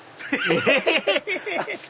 え